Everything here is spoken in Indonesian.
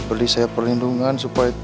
beri saya perlindungan supaya